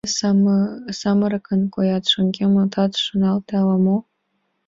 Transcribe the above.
— Могай самырыкын коят, шоҥгемаш отат шоналте ала-мо?